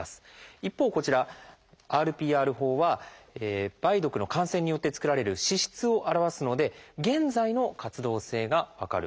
一方こちらＲＰＲ法は梅毒の感染によって作られる脂質を表すので現在の活動性が分かる。